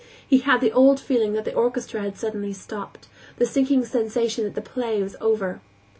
He had the old feeling that the orchestra had suddenly stopped, the sinking sensation that the play was over.